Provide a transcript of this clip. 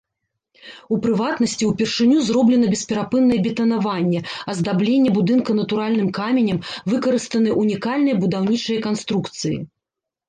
У прыватнасці, упершыню зроблена бесперапыннае бетанаванне, аздабленне будынка натуральным каменем, выкарыстаны ўнікальныя будаўнічыя канструкцыі.